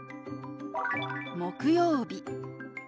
「木曜日」。